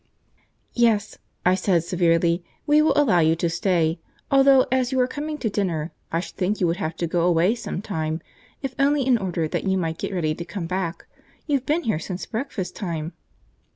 "Yes," I said severely, "we will allow you to stay; though, as you are coming to dinner, I should think you would have to go away some time, if only in order that you might get ready to come back. You've been here since breakfast time."